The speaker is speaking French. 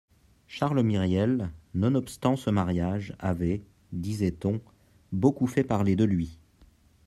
Charles Myriel, nonobstant ce mariage, avait, disait-on, beaucoup fait parler de lui